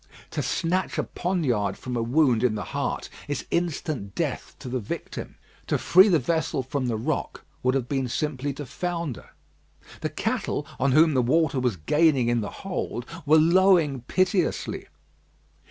To snatch a poniard from a wound in the heart is instant death to the victim. To free the vessel from the rock would have been simply to founder. The cattle, on whom the water was gaining in the hold, were lowing piteously.